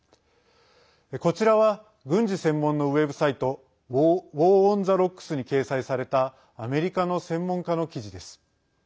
こちらは軍事専門のウェブサイトウォー・オン・ザ・ロックスに掲載されたアメリカの専門家の記事です。